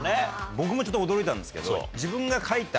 僕もちょっと驚いたんですけど。